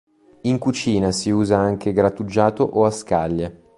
In cucina si usa anche grattugiato o a scaglie.